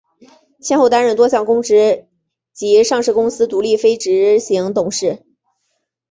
先后担任多项公职及上市公司独立非执行董事。